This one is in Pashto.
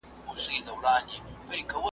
د بهرني سياست پلي کول ځانګړي ديپلوماتان غواړي.